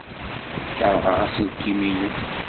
Keṛheɣ aselkim-inu.